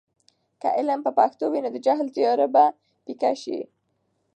که علم په پښتو وي، نو د جهل تیاره به پیکه سي.